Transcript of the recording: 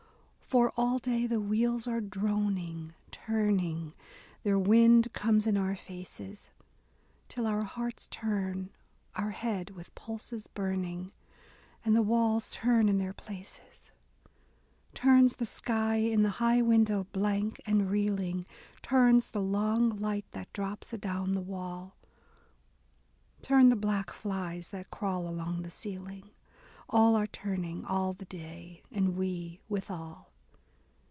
"For, all day, the wheels are droning, turning, — Their wind comes in our faces, — Till our hearts turn, — our head, with pulses burning. And the walls turn in their places : Turns the sky in the high window blank and reeling. Turns the long light that drops adown the wall. Turn the black flies that crawl along the ceiling. All are turning, all the day, and we with all.